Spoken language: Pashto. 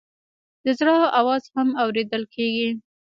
د زړه آواز هم اورېدل کېږي.